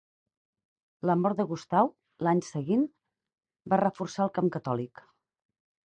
La mort de Gustau, l'any seguint va reforçar el camp catòlic.